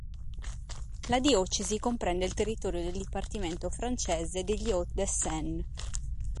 La diocesi comprende il territorio del dipartimento francese degli Hauts-de-Seine.